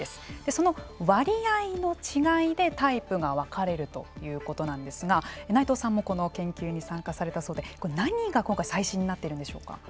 その割合の違いでタイプが分かれるということなんですが内藤さんもこの研究に参加されたそうで何が最新になっているんでしょうか。